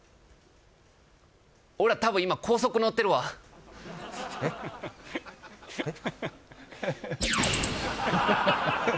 俺ら多分今高速乗ってるわえっえっ？